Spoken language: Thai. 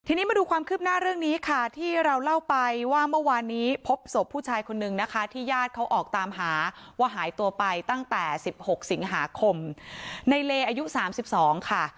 ทีนี้มาดูความคืบหน้าเรื่องนี้ค่ะที่เราเล่าไปว่าเมื่อวานนี้พบศพผู้ชายคนนึงนะคะที่ญาติเขาออกตามหาว่าหายตัวไปตั้งแต่สิบหกสิงหาคมในเลอายุ๓๒ค่ะ